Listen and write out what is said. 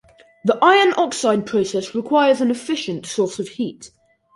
The iron oxide process requires an efficient source of heat.